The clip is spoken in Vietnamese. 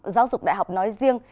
giáo dục đại học nói riêng